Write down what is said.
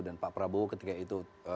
dan pak prabowo ketika itu